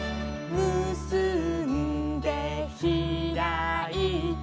「むすんでひらいて」